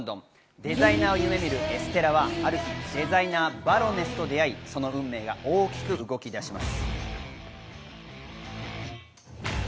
デザイナーを夢見るエステラはある日、デザイナー、バロネスと出会いその運命が大きく動き出します。